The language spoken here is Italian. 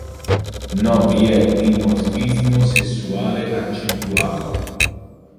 No vi è dimorfismo sessuale accentuato.